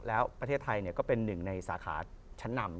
แล้วประเทศไทยก็เป็นหนึ่งในสาขาชั้นนำ